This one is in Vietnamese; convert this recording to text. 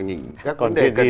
nhìn các vấn đề cần trao đổi